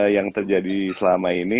yang terjadi selama ini